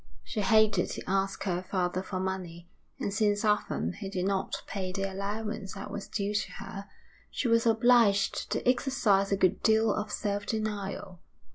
She hated to ask her father for money, and since often he did not pay the allowance that was due to her, she was obliged to exercise a good deal of self denial.